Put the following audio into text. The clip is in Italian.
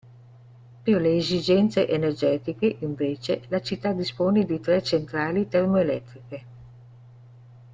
Per le esigenze energetiche, invece, la città dispone di tre centrali termoelettriche.